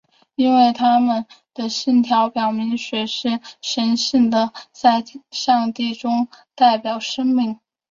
因为他们的信条表明血是神性的在上帝眼中代表生命。